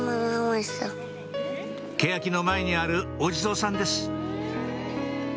けやきの前にあるお地蔵さんです